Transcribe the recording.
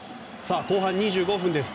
後半２５分です。